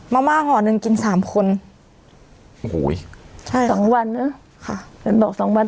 มามาห่อนแดนกินสามคนโหสองวันนะค่ะบอกสองวัน